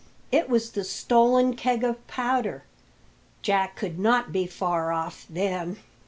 It was the stolen keg of powder. Jack could not be far off, then!